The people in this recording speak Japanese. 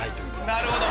なるほど。